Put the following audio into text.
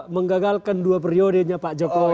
menggagalkan dua periodenya pak jokowi